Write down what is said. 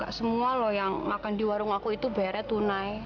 gak semua lo yang makan di warung aku itu unae